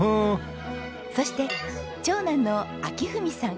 そして長男の昭史さん。